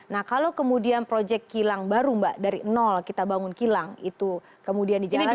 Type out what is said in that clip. nah kalau kemudian proyek kilang baru mbak dari nol kita bangun kilang itu kemudian dijalankan